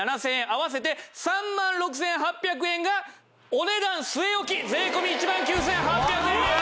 合わせて３万６８００円がお値段据え置き税込１万９８００円です！